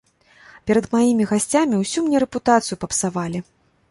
Перад маімі гасцямі ўсю мне рэпутацыю папсавалі.